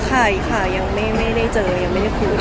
อ๋อค่ะอีกค่ะยังไม่ได้เจอยังไม่ได้คุยค่ะ